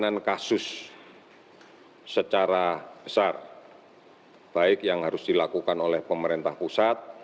penanganan kasus secara besar baik yang harus dilakukan oleh pemerintah pusat